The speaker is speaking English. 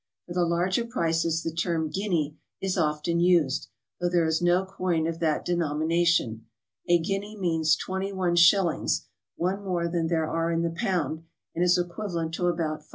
For the larger prices the term ^'guinea" is often used, though there is no coin of that de nomination; a guinea means 21 shillings, one more than there are in the pound, and is equivalent to about $5.